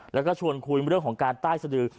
แล้วก็ชวนคุยเรื่องของการใต้สดือ